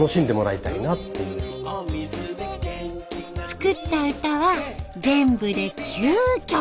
作った歌は全部で９曲。